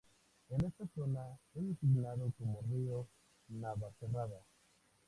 En esta zona es designado como río Navacerrada.